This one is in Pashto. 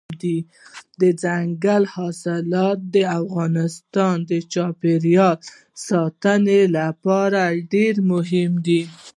دځنګل حاصلات د افغانستان د چاپیریال ساتنې لپاره ډېر مهم دي.